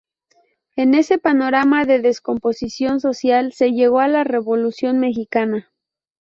En ese panorama de descomposición social se llegó a la Revolución mexicana.